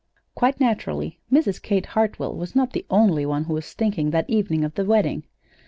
Quite naturally, Mrs. Kate Hartwell was not the only one who was thinking that evening of the wedding.